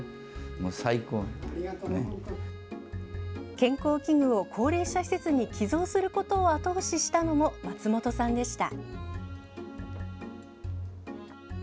健康器具を高齢者施設に寄贈することを後押ししたのも、松本さんでした。